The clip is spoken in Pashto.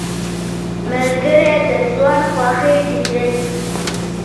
ملګری د ژوند خوښي ډېروي.